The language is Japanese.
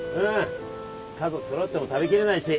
家族揃っても食べきれないし。